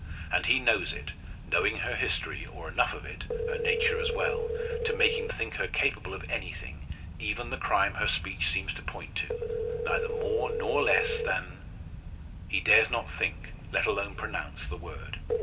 And he knows it, knowing her history, or enough of it her nature as well to make him think her capable of anything, even the crime her speech seems to point to neither more nor less than He dares not think, let alone pronounce, the word.